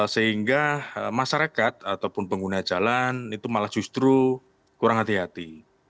sehingga masyarakat ataupun pengguna jalan itu malah justru kurang hati hati